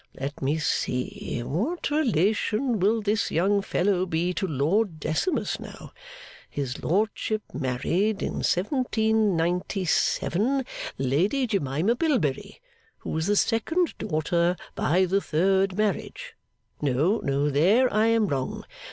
Let me see. What relation will this young fellow be to Lord Decimus now? His Lordship married, in seventeen ninety seven, Lady Jemima Bilberry, who was the second daughter by the third marriage no! There I am wrong!